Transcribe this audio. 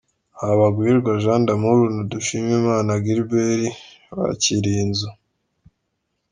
Habaguhirwa Jean D'amour na Dushimimana Gilbert bakiriye inzu.